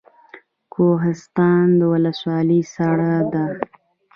کوهستان ولسوالۍ سړه ده؟